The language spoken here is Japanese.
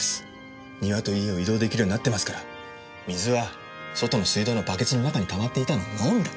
庭と家を移動出来るようになってますから水は外の水道のバケツの中にたまっていたのを飲んだ。